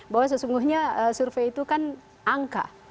bahwa sesungguhnya survei itu kan angka